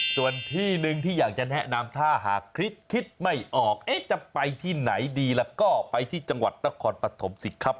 ส่วนที่หนึ่งที่อยากจะแนะนำถ้าหากคิดไม่ออกจะไปที่ไหนดีแล้วก็ไปที่จังหวัดนครปฐมสิครับ